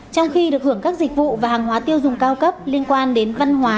trong khi được hưởng các dịch vụ và hàng hóa tiêu dùng cao cấp liên quan đến văn hóa